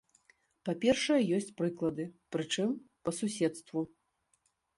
Па-першае ёсць прыклады, прычым па суседству.